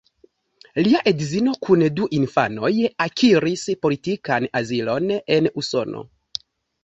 Lia edzino kun du infanoj akiris politikan azilon en Usono.